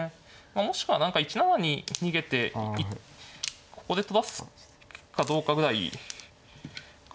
もしくは何か１七に逃げてここで取らすかどうかぐらいかなと。